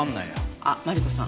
あっマリコさん